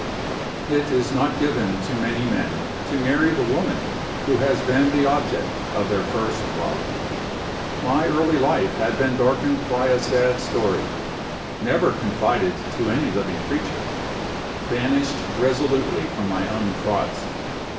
It is not given to many men to marry the woman who has been the object of their first love. My early life had been darkened by a sad story; never confided to any living creature; banished resolutely from my own thoughts.